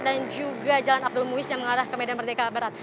dan juga jalan abdul muiz yang mengarah ke medan merdeka barat